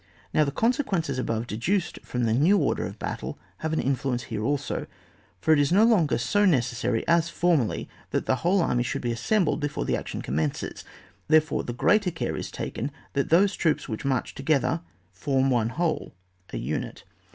Now, the consequences above deduced from the new order of battle have an influence here also, for as it is no longer so necessary, as formerly, that the whole army shoidd be assembled before action commences, therefore the greater care is taken that those troops which march together form one whole (a unit).